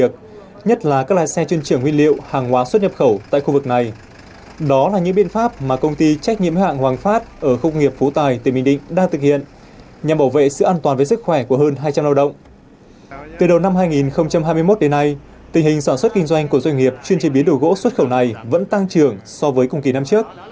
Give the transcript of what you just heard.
từ đầu năm hai nghìn hai mươi một đến nay tình hình sản xuất kinh doanh của doanh nghiệp chuyên chế biến đồ gỗ xuất khẩu này vẫn tăng trưởng so với cùng kỳ năm trước